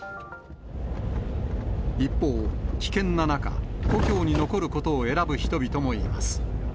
一方、危険な中、故郷に残ることを選ぶ人々もいます。